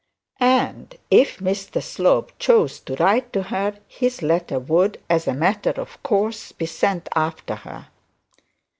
And if Mr Slope chose to write to her, his letter would, as a matter of course, be sent after her.